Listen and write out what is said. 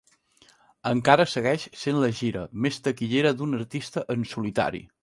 Encara segueix sent la gira més taquillera d'un artista en solitari.